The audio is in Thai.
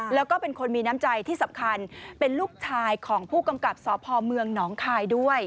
แล้วก็เป็นคนมีน้ำใจที่สำคัญเป็นลูกชายของผู้กำกับสพเมืองหนองคายด้วย